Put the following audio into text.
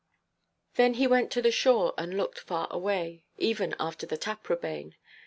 Then he went to the shore, and looked far away, even after the Taprobane.